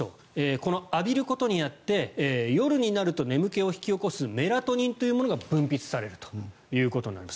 この浴びることによって夜になると眠気を引き起こすメラトニンというものが分泌されるということです。